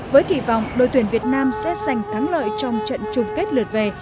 với kỳ vọng đội tuyển việt nam sẽ sành thắng lợi trong trận trung kết lượt về